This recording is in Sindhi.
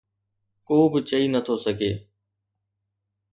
ڪو به چئي نٿو سگهي.